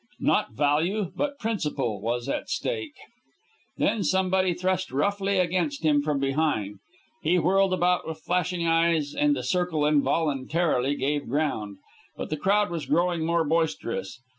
Not value, but principle, was at stake. Then somebody thrust roughly against him from behind. He whirled about with flashing eyes, and the circle involuntarily gave ground. But the crowd was growing more boisterous.